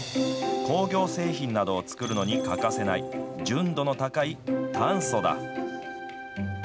工業製品などを作るのに欠かせない、純度の高い炭素だ。